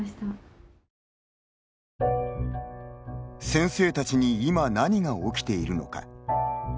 先生たちに今何が起きているのか。